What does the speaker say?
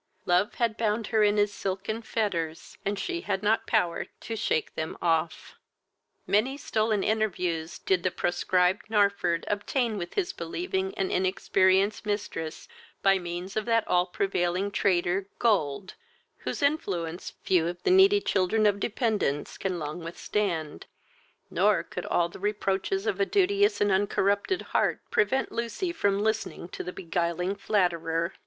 Love had bound her in his silken fetters, and she had not power to shake them off. Many stolen interviews did the proscribed Narford obtain with his believing and inexperienced mistress by means of that all prevailing traitor, gold, whose influence few of the needy children of dependence can long withstand; nor could all the reproaches of a duteous and uncorrupted heart prevent Lucy from listening to the beguiling flatterer.